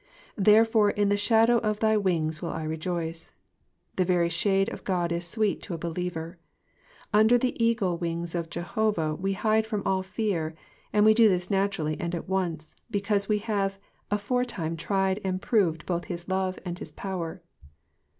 ^''Therefore in the shadow of thy wings will I rejoice.'''' The very shade of God is sweet to a believer. Under the eagle wings of Jehovah we hide from all fear, and we do this naturally and at once, because we have aforetime tried and proved both his love and his power.